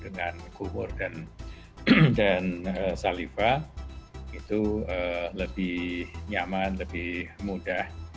dengan kubur dan saliva itu lebih nyaman lebih mudah